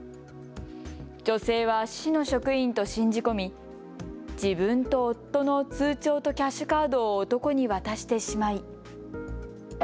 女性は市の職員と信じ込み自分と夫の通帳とキャッシュカードを男に渡してしまい。